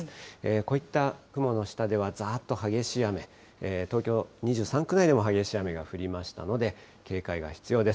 こういった雲の下ではざーっと激しい雨、東京２３区内でも激しい雨が降りましたので、警戒が必要です。